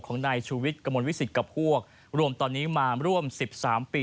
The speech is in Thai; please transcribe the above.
ของนายชูวิทย์กระมวลวิสิตกับพวกรวมตอนนี้มาร่วม๑๓ปี